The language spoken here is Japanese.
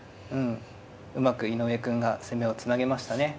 うまく井上くんが攻めをつなげましたね。